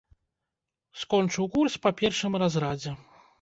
Скончыў курс па першым разрадзе.